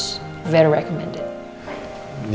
sangat di rekomendasi